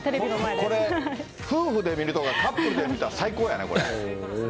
本当これ、夫婦で見るとか、カップルで見たら、最高やね、これね。